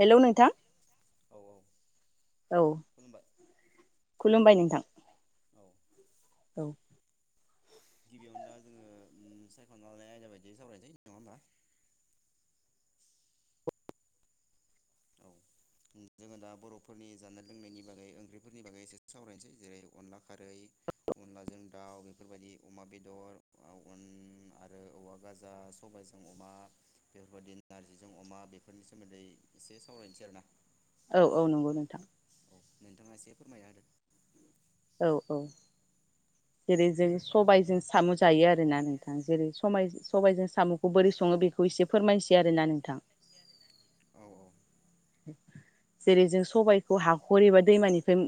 Hello नोंथां औ औ। खुलुमबाय खुलुमबाय नोंथां। [inaudible] [inaudible] गिबियावनो दा जोङो सायख'ना लानाय आयदा बायदियै सावरायनोसै नङा होमबा? औ जोङो दा बर'फोरनि जानाय लोंनायनि बागै ओंख्रिफोरनि बागै एसे सावरायनोसै जेरै अनला खारै अनलाजों दाउ बेफोरबायादि अमा बेदर आरो औवा गाजा सबायजों अमा बेफोरबायदि नारजिजों अमा बेफोरनि सोमोन्दै एसे सावरायनोसै आरो ना। औ औ नंगौ नोंथां। नोंथाङा एसे फोरमायना होदो। औ औ जेरै जों सबायजों साम' जायो आरोना नोंथां जेरै सबायजों साम'खौ बोरै सङो बेखौ एसे फोरमायसै आरोना नोंथां। औ औ। जेरै जों सबाइखौ हाखर एबा दैमानिफ्राय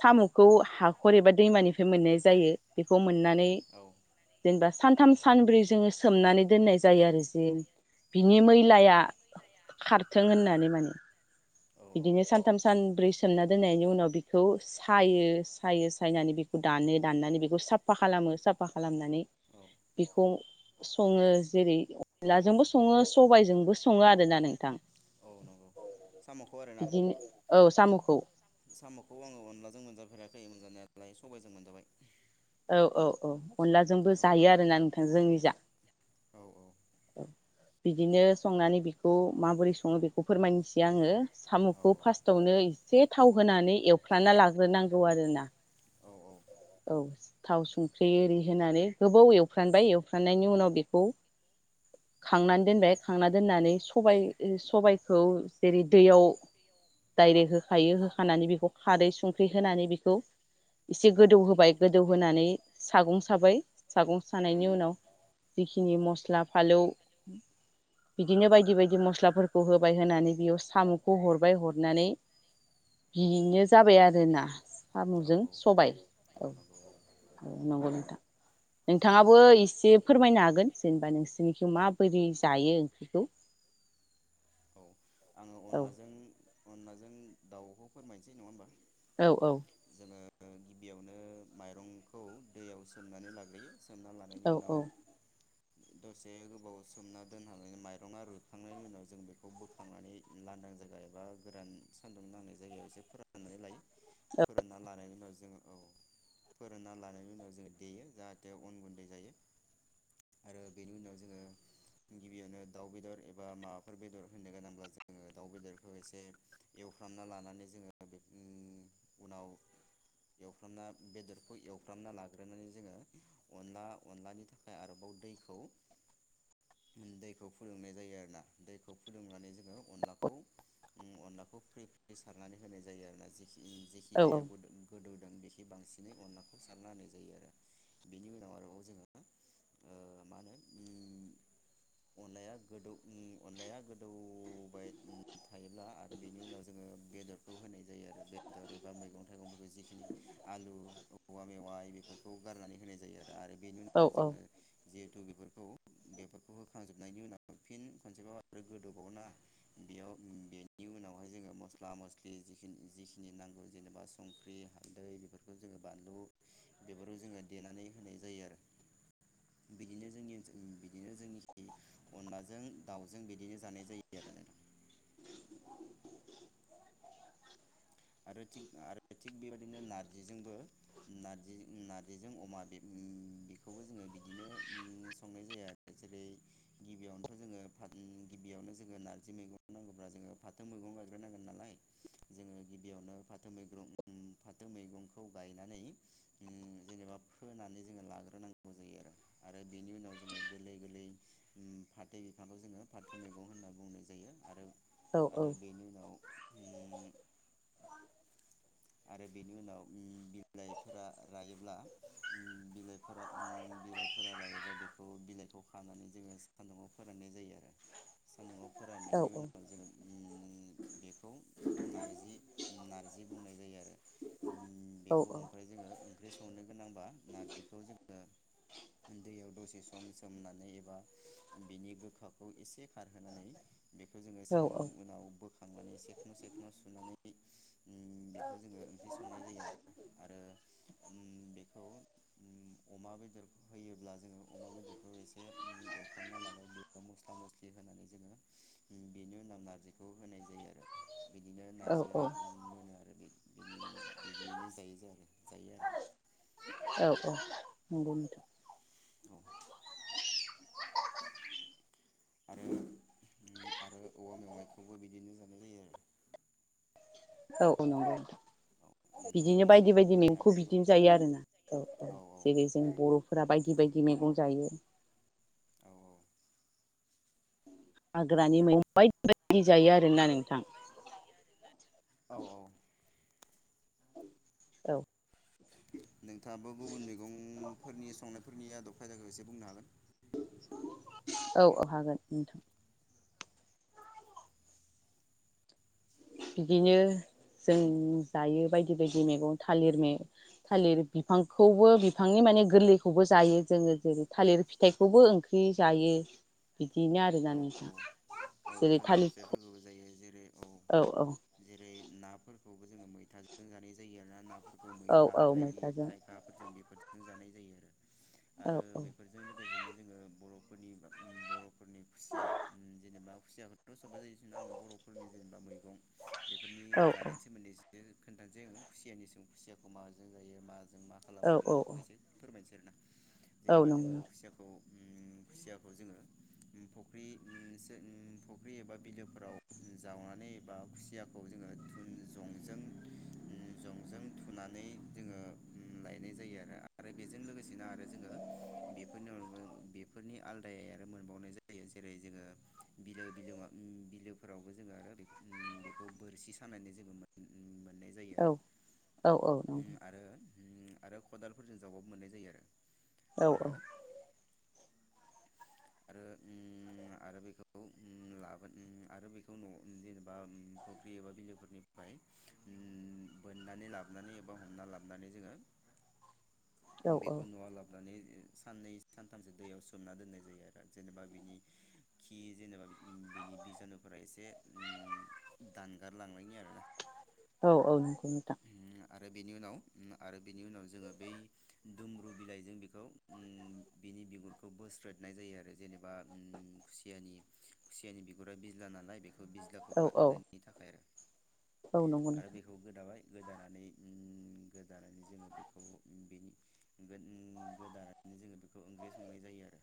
साम'खौ हाखर एबा दैमानिफ्राय मोननाय जायो बेखौ मोननानै औ जेनेबा सानथाम सानब्रै जोङो सोमनानै दोननाय जायो आरो ज बिनि मैलाया खारथों होननानै। औ बिदिनो सानथाम सानब्रै सोमना दोननायनि उनाव बिखौ सायो सायो सायनानै बिखौ दानो दाननानै बेखौ साफा खालामो साफा खालामनानै औ बिखौ सङो जेरै औ अनलाजोंबो सङो सबायजोंबो सङो आरोना नोंथां। औ नंगौ साम'खौ आरोना बिदिनो औ साम'खौ। खौ। साम'खौ आङो अनलाजों मोनजाफेराखै मोनजानायालाय सबायजों मोनजाबाय‌। औ औ औ अनलाजोंबो जायो आरोना नोंथां जोंनि जा औ औ। बिदिनो संनानै बेखौ माबोरै सङो बेखौ फोरमायनोसै आङो साम'खौ फार्स्टावनो एसे थाव होनानै एवफ्राना लाग्रोनांगौ आरोना। औ थाव संख्रि एरि होनानै गोबाव एवफ्रानबाय एवफ्राननायनि उनाव बेखौ खांनानै दोनबाय खांनानै दोननानै सबाइ सबाइखौ जेरै दैयाव डाइरेक्ट होखायो होखानानै बेखौ खारै संख्रि होनानै बेखौ। एसे गोदौ होबाय गोदौ होनानै सागं साबाय। सागं सानायनि उनाव जिखिनि मस्ला फालौ बिदिनो बायदि बायदि मस्लाफोरखौ होबाय होनानै बेयाव साम'खौ हरबाय हरनानै बिनो। जाबाय आरोना औ साम'जों। सबाइ औ औ नंगौ नोंथां नोंथाङाबो एसे फोरमायनो हागोन जेनेबा नोंसिनिखै माबोरै जायो ओंख्रिखौ। आङो औ अनलाजों अनलाजों दाउखौ फोरमायनिसै नङा होमबा औ औ ओ गिबियावनो माइरंखौ दैयाव सोमनानै लाग्रोयो सोमना औ लानायनि उनाव औ दसे गोबाव सोमना दोननानै माइरङा रुइखांनायनि उनाव जों बेखौ बोख थांनानै लांदां जायगा एबा गोरान सान्दुं नांनाय जायगायाव एसे फोराननानै लायो फोरानना लानायनि उनाव [unintelligible] फोरानना लानायनि उनाव जोङो देयो जाहाथे अन गुन्दै जायो आरो बेनि उनाव जोङो गिबियावनो दाउ बेदर एबा माबाफोर बेदर होनो गोनां बा जोङो दाउ बेदरखौ एसे एवफ्रामना लानानै जोङो उम उनाव एवफ्रामना बेदरखौ एवफ्रामना लाग्रोनानै जोङो अनला अनलानि थाखाय आरोबाव दैखौ ओम दैखौ फुदुंनाय जायो आरोना दैखौ फुनानै जो ङो अनलाखौ ओम अनलाखौ फ्रि फ्रि सारनानै होनाय जायो आरो ना जेखि जेखि दैआ औ गुदुं गोदौ जों बेखि बांसिनै अनलाखौ सारना होनाय जायो आरो बेनि उनाव आरोबाव जोङो ओ मा होनो ओम अनलाया गोदौ ओम अनलाया गोदौ औबाय उम थायोब्ला आरो बेनि उनाव जोङो बेदरखौ होनाय जायो आरो बेदर एबा मैगं-थाइगंफोरखौ जिखिनि आलु औवा मेवाइ बेफोरखौ गारनानै होनाय जा आरो बेनि औ उनाव औ जोङो जिहेथु बेफोरखौ बेफोरखौ होखांजोबनायनि उनाव फिन खनसेबाव आरो गोदौ बावोना बेयाव बेनि उनावहाय जोङो मस्ला मस्लि जिखिनि जिखिनि नांगौ जेनेबा संख्रि हालदै बेफोरखौ जोङो बानलु बेफोरखौ जोङो देनानै होनाय जायो आरो बिदिनो जोंनि ओनसोलनि बिदिनो जोंनिखै अनलाजों दाउजों बिदिनो जानाय जायो आरो नोंथां। आरो थिग आरो थिग बेबायदिनो नार्जिजोंबो नारजि नार्जिजों अमा बे उम बेखौबो जोङो बिदिनो ओम संनाय जाया जेरै गिबियावनोथ' जोङो ओम गिबियावनो जोङो नार्जि मैगं नांगौब्ला जोङो फाथो मैगं गायग्रो नांगोन नालाय जोङो गिबियावनो फाथो मैग्रं ओम फाथो मैगंखौ गायनानै ओम जेनेबा फोनानै जोङो लाग्रोनांगौ जायो आरो आरो बेनि उनाव जोङो गोरलै गोरलै फाथो बिफांखौ जोङो फाथो मैगं होनना बुंनाय जायो आरो औ आरो बेनि उनाव आरो बेनि उनाव ओम बिलाइफोरा रायोब्ला ओम बिलाइफोरा ओम बिलाइफोरा रायोबा बेखौ बिलाइखौ खानानै जोङो सान्दुंङाव फोराननाय जायो आरो सान्दुङाव औ फोराननायनि औ उनाव जोङो उम बेखौ नारजि [inaudible] नारजि बुंनाय जायो आरो ओम औ बेखौ ओमफ्राय जोङो ओंख्रि सं संनो गोनांबा नारजिखौ जोङो दैयाव दसे सम सोमनानै एबा बिनि गोखाखौ एसे खारहोनानै बेखौ जोङो से औ उम उनाव बोखा थांनानै सेखन सेखन सुनानै बि ओम बिखौ जोङो ओंख्रि संनाय जायो आरो आरो ओम बेखौ ओम अमा बेदरखौ होयोब्ला जोङो अमा बेदरखौ एसे एवफ्रामना लाबाय बेयाव मस्ला मस्लि होनानै जोङो ओम बेनि उनाव नारजिखौ होनाय जायो आरो बिदिनो औ औ [unintelligible] मोनो आरो बे बिनि बिदियैनो जायो [unintelligible] आरो जायो आरो [unintelligible] औ औ नंगौ नोंथां। औ। आरो आरो औवा मेवाइखौबो बिदिनो जानाय जायो आरो। औ औ नंगौ औ नोंथां। नोंथाङाबो बिदिनो एसे बायदि बायदि फोरमायनो मैगंखौ हागोन औ बिदिनो जायो आरोना औ औ जेरै जों बर'फोरा बायदि बिदिबायदि मैगं जायो। औ हाग्रानि मैगं बायदि बायदि जायो आरोना नोंथां। औ औ। औ। नोंथाङाबो गुबुन मैगंफोरनि संनाय फोरनि आदबखायाखौ एसे बुंनो हागोन। औ औ हागोन नोंथां। बिदिनो जों जायो बायदि बायदि मैगं थालिर थालिर बिफांखौबो बिफांनि माने गोरलैखौबो जायो जोङो जेरै थालिर फिथाइखौबो ओंख्रि जायो बिदिनो औ आरोना औ नोंथाङा औ थालिर फिसाइफोरखौबो जायो जेरै ओ औ औ। नाफोरखौबो जोङो मैथाजों जानाय जायो आरोना ना। औ मैथा औ थाइगिर मैथाजों थाइखाफोरजों बेफोर जों जानाय जायो आरो ‌। औ आरो बेफोरजों नो जोङो बर'फोरनि बर'फोरनि खुसिया जेनेबा खुसियाखौथ' सबबो जायो जना आं बर'फोरनि जेनेबा मैगं बेफोरनि औ जानायनि सोमोन्दै खोन्थानोै खुसियानि सम खुसियाखौ माजों जायो मा? जों मा औ खालामो औ बेफोरखौ एसे फोरमायनो औ जेनेबा नंगौ जोङो खुसियाखौ खुसियाखौ जोङो फुख्रि [unintelligible] फुख्रि एबा बिलोफोराव जावनानै एबा खुसियाखौ जोङो जंजों जंजों थुनानै जोङो लायनाय जायो आरो आरो बेजों लोगोसेनो आरो जोङो बेफोरनो बेफोरनि आलदाय आरो मोनबावनाय जायो जेरै जोङो बिलो बिलो बिलोफोरावबो जोङो आरो बे बेखौ बोरसि सानानै जोङो मोन मोननाय जायो औ आरो औ औ नंगौ। उम आरो आरो खदालफोरजों जावबाबो मोननाय जायो आरो। औ आरो औ। आरो आरो बेखौ लाबोन आरो बेखौ न' जेनेबा फुख्रि एबा बिलोफोरनिफ्राय बोननानै लाबोनानै एबा हमना लाबोनानै जोङो औ औ बेखौ न'आव लाबोनानै साननै सानथामसो दैयाव सोमना दोननाय जायो आरो। जेनेबा बिनि खि जेनेबा बिनि बिजानुफोरा एसे उम दानगारलांनायनि आरोना। औ औ नोंगौ नोंथां। उम आरो बेनि उनाव आरो बेनि उनाव जोङो बै दुमब्रु बिलाइजों बेखौ बिनि बिगुरखौ बोस्रोदनाय जायो आरो जेनेबा खुसियानि खुसियानि बिगुरा बिज्ला नालाय बे थ बिज्लाखौ औ औ खारहोनायनि थाखाय आरो। औ नंगौ आरो नोंथां बेखौ गोदाबाय गोदानानै उम गोदानानै जोङो बेखौ उम बेनि गोन उम गोदानानै जोङो बेखौ ओंख्रि संनाय जायो आरो।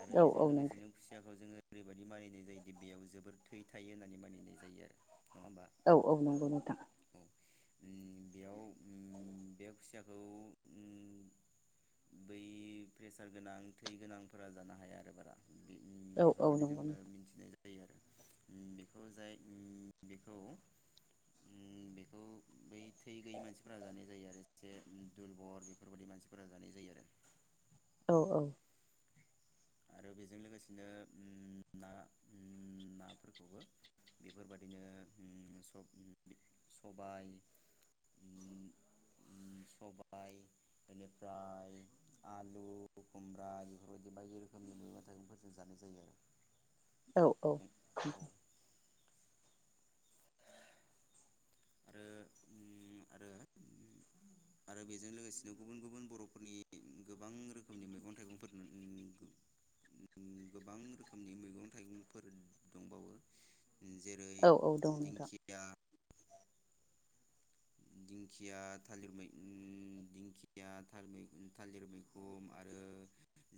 आरो औ बेजों औ नंगौ लोगोसेनो खुसियाखौ जोङो ओरैबायदि मानिनाय जायोदि बेयाव जोबोर थै थायो होननानै मानिनाय जायो आरो नङा होम औ औ नंगौ नोंथां। उम बेयाव उम बेयाव खुसियाखौ उम बै प्रेसार गोनां थै गोनांफोरा जानो हाया आरो बारा उम औ औ बेफोरबायदि नंगौ जोंबो नोंथां। मिथिनाय जायो आरो उम बेखौ जाय उम बेखौ उम बे खौ बै थै गैयै मानसिफोरा जानाय जायो आरो एसे दुलबर बेफोरबायदि मानसिफोरा जानाय जायो आरो। औ औ। आरो बेजों लोगोसेनो आं आं उम ना उम नाफोरखौबो बेफोरबादिनो उम सब उम बि सबाइ उम उम सबाइ बेनिफ्राय आलु खुमब्रा बेफोरबायदि बायदि रोखोम खोमनि मैगं थाइगंफोरजों जानाय जायो आरो। औ औ। औ आरो उम आरो आरो बेजों लोगोसेनो गुबुन गुबुन बर'फोरनि गोबां रोखोमनि मैगं थाइगंफोर नु उम उम गोबां रोखोमनि मैगं-थाइगंफोर दंबावो। जेरै औ औ दं नोंथां दिंखिया दिंखिया थालिर मै उम दिंखिया थालिमि उम थालिरमैखुन आरो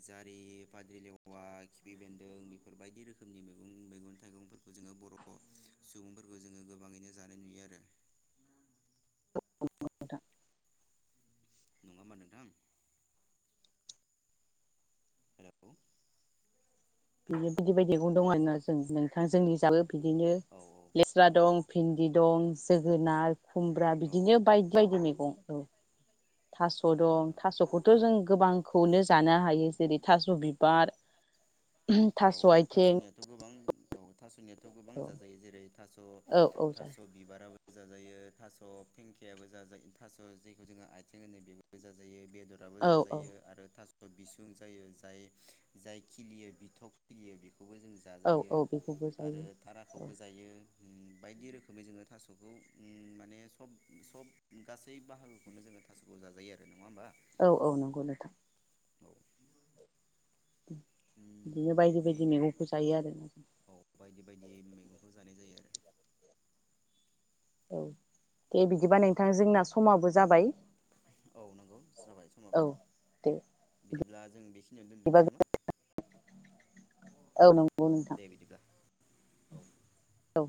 जारि फाद्रिलेवा खिफि बेन्दों बेफोरबायदि रोखोमनि मैगं मैगं थाइगंफोरखौ जोङो बर' सुबुंफोरखौ जोङो गोबाङैनो जानाय नुयो आरो। [unintelligible] नङा होमबा नोंथां? हेलौ बिनो बिदि बायदि औ [unintelligible] लेस्रा दं भिन्दि दं जोगोनार खुमब्रा औ बिदिनो बायदि बायदि मैगं औ। थास' औ औ दं नंगौ थास'खौथ' जों गोबांखौनो जानो हायो जेरै थास' बिबार औ थास' औ आथिं थास'नियाथ' गोबां औ थासनिया थ गोबां औ जाजायो जेरै थास औ थास जायो बिबाराबो जाजायो थास' फेंखायाबो जाजायो थास' जेखौ जोङो आइथिं होनो बेबो जाजायो बे जराबो औ औ जाजायो आरो थास बिसुं जायो जाय खिलियो बिथ गियो बि खौबो जों औ जाजायो औ बेखौबो आरो जायो औ थाराखौबो जायो। उम बायदि रोखोमै जोङो थास'खौ उम माने सब सब गासै बाहागोखौनो जोङो थास'खौ जाजायो आरो नङा होमबा? औ औ नंगौ नोंथां। औ बिदिनो बायदि बायदि बिदियैनो मैगंखौ जायो आरोना जों औ बायदि बायदि मैगंखौ जानाय जायो आरो औ दे बिदिबा नोंथां जोंना समाबो जाबाय औ नंगौ जाबाय समाबो औ दे बिदिब्ला जों बेखिनियावनो बिदिबा दोन्थनोसै नामा औ नंगौ नोंथां दे बिदिब्ला औ औ